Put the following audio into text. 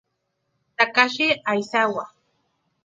Takashi Aizawa